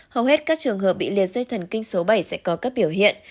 hầu hết các trường hợp bị liệt dây thần kinh số bảy sẽ có các biểu hiện